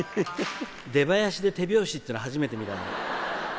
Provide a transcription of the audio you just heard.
出囃子で手拍子っていうの初めて見たね。